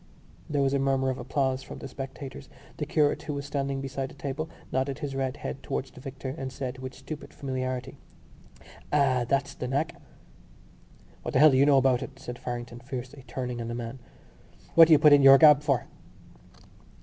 There was a murmur of applause from the spectators. The curate, who was standing beside the table, nodded his red head towards the victor and said with stupid familiarity: "Ah! that's the knack!" "What the hell do you know about it?" said Farrington fiercely, turning on the man. "What do you put in your gab for?"